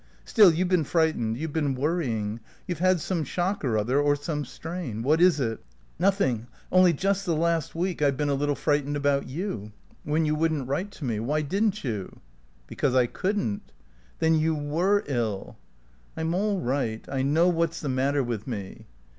"Still, you've been frightened; you've been worrying; you've had some shock or other, or some strain. What is it?" "Nothing. Only just the last week I've been a little frightened about you when you wouldn't write to me. Why didn't you?" "Because I couldn't." "Then you were ill." "I'm all right. I know what's the matter with me."